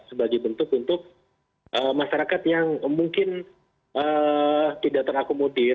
sebagai bentuk untuk masyarakat yang mungkin tidak teraku mutir